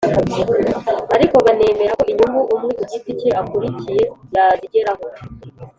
ariko banemera ko inyungu umwe ku giti cye akurikiye yazigeraho